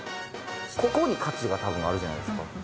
ここに価値がたぶんあるじゃないですか。